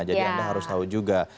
jadi anda harus tahu juga